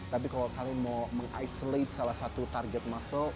tapi kalau kalian mau mengisolate salah satu target muscle